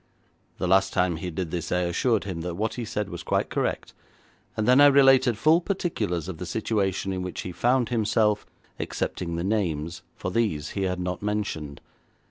The last time he did this I assured him that what he said was quite correct, and then I related full particulars of the situation in which he found himself, excepting the names, for these he had not mentioned.